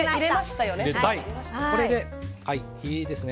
これで、いいですね。